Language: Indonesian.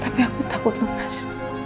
tapi aku takut lo bas